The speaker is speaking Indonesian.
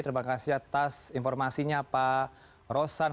terima kasih atas informasinya pak rosan